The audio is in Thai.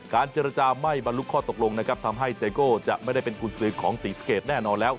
เจรจาไม่บรรลุข้อตกลงนะครับทำให้เตโก้จะไม่ได้เป็นกุญสือของศรีสะเกดแน่นอนแล้ว